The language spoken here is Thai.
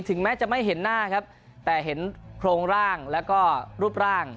แม้จะไม่เห็นหน้าครับแต่เห็นโครงร่างแล้วก็รูปร่าง